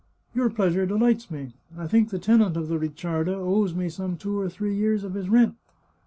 " Your pleasure delights me. I think the tenant of the Ricciarda owes me some two or three years of his rent.